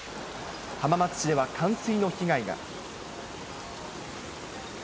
浜松市では冠水の被害が。